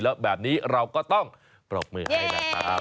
แล้วแบบนี้เราก็ต้องปรบมือให้นะครับ